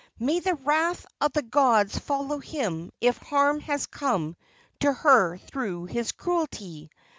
May the wrath of the gods follow him if harm has come to her through his cruelty!